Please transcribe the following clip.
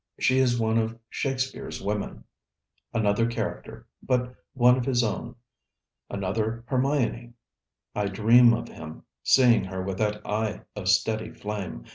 She is one of Shakespeare's women: another character, but one of his own: another Hermione! I dream of him seeing her with that eye of steady flame.